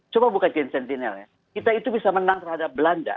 coba buka jam sentinel ya kita itu bisa menang terhadap belanda